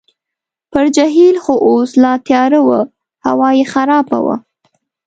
پر جهیل خو اوس لا تیاره وه، هوا یې خرابه وه.